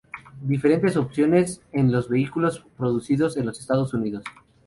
Diferentes opciones en los vehículos producidos en los Estados Unidos.